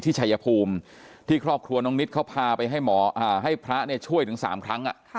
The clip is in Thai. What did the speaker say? ก็ขนาดอลูกสรามได้ยังไม่ให้เลยอ่าเขาก็เนี่ยนำมาด้วยว่าทาไปเร็วทำได้มั้ย